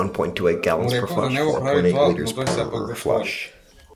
Му реков да не го прави тоа, но тој сепак го стори.